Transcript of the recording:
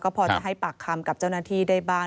พอจะให้ปากคำกับเจ้าหน้าที่ได้บ้าง